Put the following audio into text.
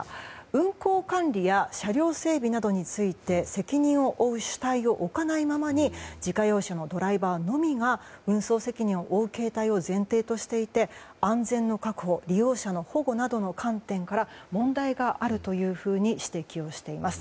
運行管理や車両整備などについて責任を負う主体を置かないままに自家用車のドライバーのみが運送責任を負う形態を前提としていて安全の確保、利用者の保護などの観点から問題があるというふうに指摘しています。